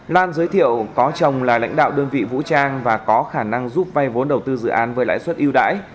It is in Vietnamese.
lan giới thiệu có chồng là lãnh đạo đơn vị vũ trang và có khả năng giúp vay vốn đầu tư dự án với lãi suất yêu đãi